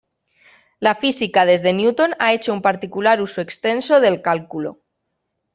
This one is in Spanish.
La física desde Newton ha hecho un particular uso extenso del cálculo.